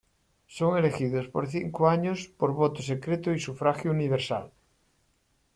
Son elegidos por cinco años por voto secreto y sufragio universal.